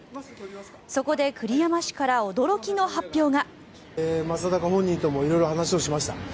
そこで栗山氏から驚きの発表が。